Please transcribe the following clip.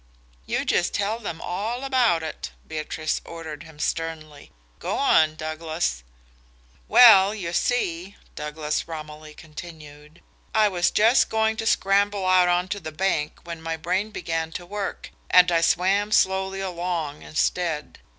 "You just tell them all about it," Beatrice ordered him sternly. "Go on, Douglas." "Well, you see," Douglas Romilly continued, "I was just going to scramble out on to the bank when my brain began to work, and I swam slowly along instead.